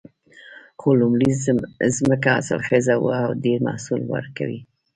خو لومړۍ ځمکه حاصلخیزه وه او ډېر محصول ورکوي